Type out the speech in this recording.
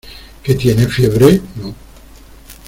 ¿ que tiene fiebre? no.